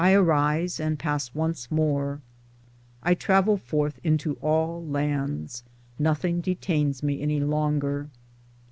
1 arise and pass once more : I travel forth into all lands : nothing detains me any longer.